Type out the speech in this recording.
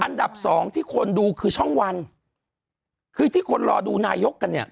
อันดับสองที่คนดูคือช่องวันคือที่คนรอดูนายกกันเนี่ย